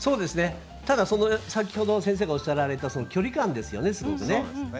ただ、先ほど先生がおっしゃられた距離感ですよね、すごくね。